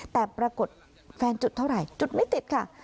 แต่ปรากฏแฟนจุดเท่าไหร่จุดไม่ติดค่ะ